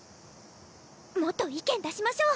もっと意見出しましょう！